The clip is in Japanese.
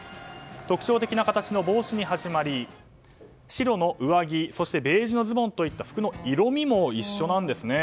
特徴的な形の帽子に始まり白の服にそしてベージュのズボンといった服の色味も一緒なんですね。